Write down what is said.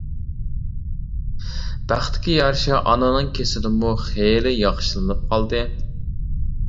بەختكە يارىشا ئانىنىڭ كېسىلىمۇ خېلى ياخشىلىنىپ قالدى.